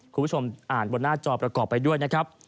คุณผู้ชมอ่านบนหน้าจอประกอบไปด้วยนะครับ